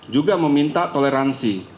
juga meminta toleransi